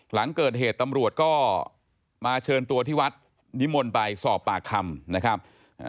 หลังเกิดเหตุตำรวจก็มาเชิญตัวที่วัดนิมนต์ไปสอบปากคำนะครับ